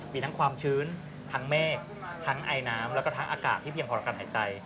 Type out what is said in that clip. มีทั้งความชื้นทั้งเมฆทั้งไอน้ำแล้วก็ทั้งอากาศที่เพียงพอต่อการหายใจ